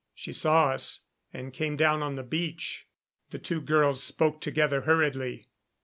She saw us, and came down on the beach. The two girls spoke together hurriedly.